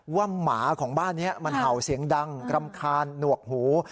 หมาของบ้านนี้มันเห่าเสียงดังรำคาญหนวกหู